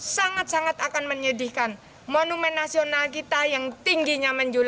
sangat sangat akan menyedihkan monumen nasional kita yang tingginya menjurit